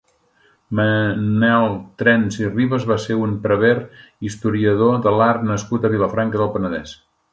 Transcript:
Manuel Trens i Ribas va ser un prevere i historiador de l'art nascut a Vilafranca del Penedès.